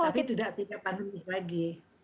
tapi tidak pandemi lagi